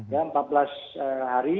ya empat belas hari